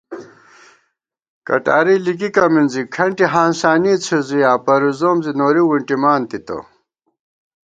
کٹاری لِکِکہ مِنزی کھنٹی ہانسانے څھِزُویاں پروزوم زی نوری وُنٹِمان تِتہ